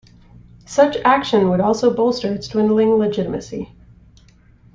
Such action would also bolster its dwindling legitimacy.